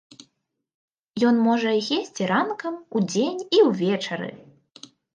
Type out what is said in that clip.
Ён можа іх есці ранкам, удзень і ўвечары!